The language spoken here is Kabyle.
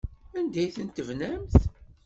Anda ay tent-tebnamt?